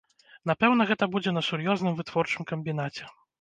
Напэўна, гэта будзе на сур'ёзным вытворчым камбінаце.